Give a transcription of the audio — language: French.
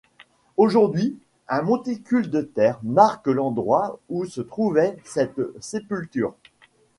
Aujourd'hui un monticule de terre marque l'endroit ou se trouvait cette sépulture.